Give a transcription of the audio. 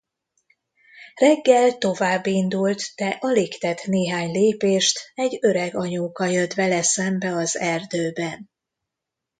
Reggel továbbindult, de alig tett néhány lépést, egy öreganyóka jött vele szembe az erdőben.